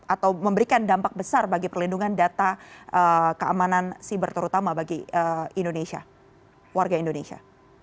atau memberikan dampak besar bagi perlindungan data keamanan siber terutama bagi indonesia warga indonesia